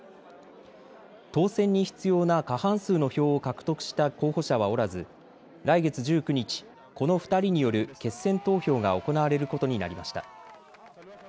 当選に必要な過半数の票を獲得した候補者はおらず来月１９日、この２人による決選投票が行われることになりました。